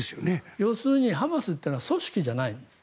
要するにハマスというのは組織じゃないんです。